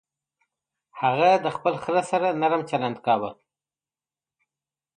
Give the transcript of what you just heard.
هغه د خپل خر سره نرم چلند کاوه.